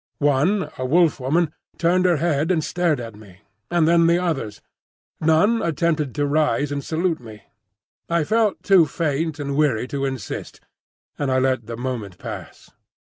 One, a Wolf woman, turned her head and stared at me, and then the others. None attempted to rise or salute me. I felt too faint and weary to insist, and I let the moment pass.